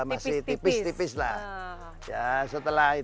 ya setelah itu ya boner gitu ya bismillah bismillah